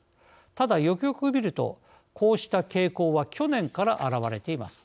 ただ、よくよく見るとこうした傾向は去年からあらわれています。